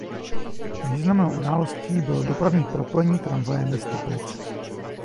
Významnou událostí bylo dopravní propojení tramvajemi z Teplic.